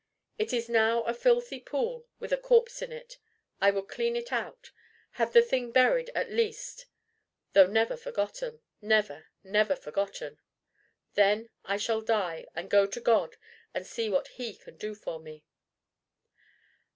It is now a filthy pool with a corpse in it: I would clean it out have the thing buried at least, though never forgotten never, never forgotten. Then I shall die and go to God and see what he can do for me."